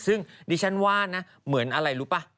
ซึ่งดิฉันว่านะเหมือนอะไรรู้ป่ะ